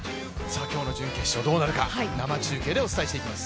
今日の準決勝がどうなるか生中継でお届けします。